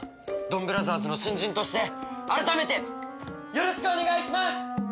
ドンブラザーズの新人として改めてよろしくお願いします！